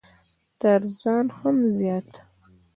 تر ځان هم زيات!